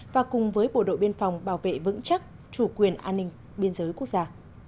và cùng với bộ đội biên phòng bảo vệ vững chắc chủ quyền an ninh biên giới quốc gia